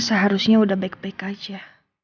seharusnya udah baik baik aja